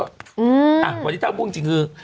วันนี้เอาจริงเท่าพูดจริงคือ